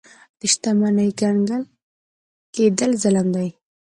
د شتمنۍ کنګل کېدل ظلم دی.